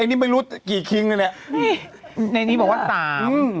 ในนี้ไม่รู้กี่คริงนี่แหละไม่ในนี้บอกว่าสามอืม